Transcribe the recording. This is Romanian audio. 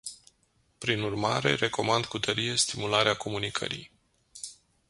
Prin urmare, recomand cu tărie stimularea comunicării.